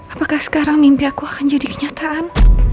apakah sekarang mimpi aku akan jadi kenyataan